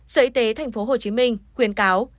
sở y tế tp hcm khuyên cáo